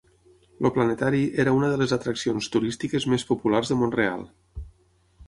El Planetari era una de les atraccions turístiques més populars de Mont-real.